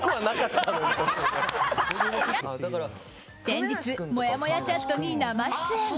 先日もやもやチャットに生出演。